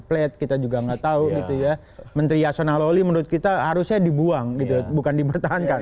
plat kita juga nggak tahu gitu ya menteri yasona lawli menurut kita harusnya dibuang gitu bukan dipertahankan